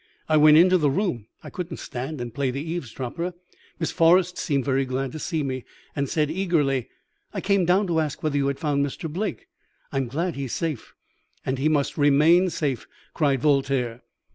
"I went into the room. I could not stand and play the eavesdropper. Miss Forrest seemed very glad to see me, and said eagerly "'I came down to ask whether you had found Mr. Blake. I am glad he is safe.' "'And he must remain safe!' cried Voltaire.